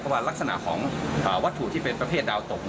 เพราะว่ารักษณะของวัตถุที่เป็นประเภทดาวตก